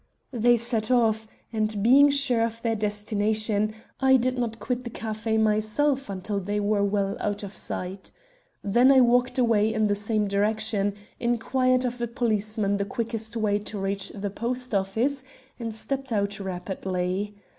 "They set off, and, being sure of their destination, I did not quit the café myself until they were well out of sight. Then I walked away in the same direction, inquired of a policeman the quickest way to reach the post office, and stepped out rapidly.